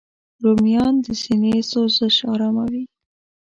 رومیان د سینې سوزش آراموي